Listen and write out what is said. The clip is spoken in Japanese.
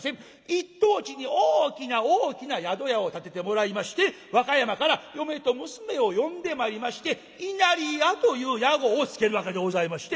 １等地に大きな大きな宿屋を建ててもらいまして和歌山から嫁と娘を呼んでまいりまして稲荷屋という屋号をつけるわけでございまして。